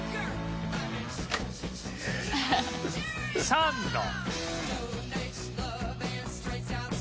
サンド